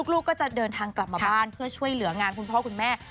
ลูกก็จะเดินทางกลับมาบ้านเพื่อช่วยเหลืองานคุณพ่อคุณแม่